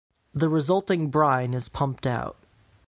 The resulting brine is pumped out.